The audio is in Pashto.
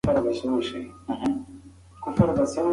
ژبه ساتل ارزښتونه ژغوري.